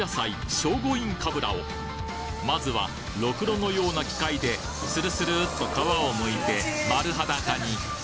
聖護院かぶらをまずはろくろのような機械でスルスルッと皮をむいて丸裸に！